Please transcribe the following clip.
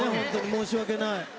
申し訳ない。